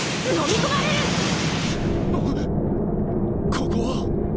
ここは。